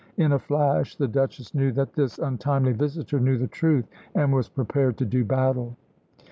In a flash the Duchess knew that this untimely visitor knew the truth, and was prepared to do battle.